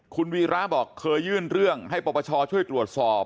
คุณวีระบอกเคยยื่นเรื่องให้ปปชช่วยตรวจสอบ